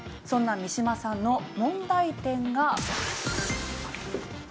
そんな三島さんの問題点が。